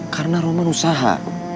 karena roman usaha